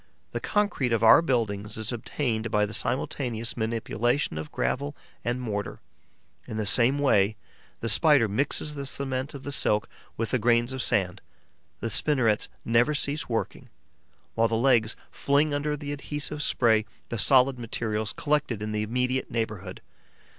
The concrete of our buildings is obtained by the simultaneous manipulation of gravel and mortar. In the same way, the Spider mixes the cement of the silk with the grains of sand; the spinnerets never cease working, while the legs fling under the adhesive spray the solid materials collected in the immediate neighbourhood.